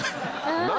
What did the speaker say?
何？